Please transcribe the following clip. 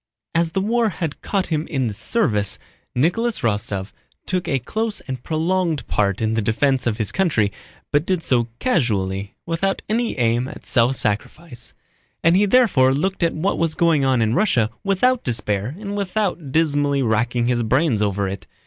As the war had caught him in the service, Nicholas Rostóv took a close and prolonged part in the defense of his country, but did so casually, without any aim at self sacrifice, and he therefore looked at what was going on in Russia without despair and without dismally racking his brains over it.